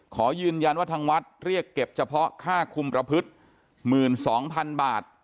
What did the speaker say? ขอยืนยันว่าทางวัดเรียกเก็บเฉพาะค่าคุมประพฤติ๑๒๐๐๐บาท